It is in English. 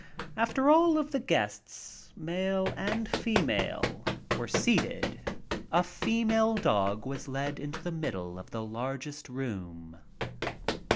After all of the guests — male and female — were seated ,a female dog was led out into the middle of the largest room.